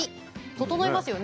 整いますよね。